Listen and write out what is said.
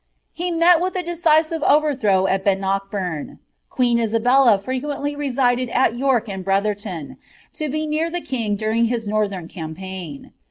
He met with a decisive overthrow at Bu* Dockbum. Queen Isabella frequently resided at York and Bniihi>ruin. lo be near the king during liis nurihem campaign.